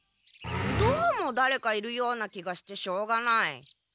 どうもだれかいるような気がしてしょうがない。